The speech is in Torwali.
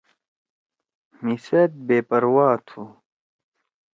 مھی سأت بے پرواہ تُھو۔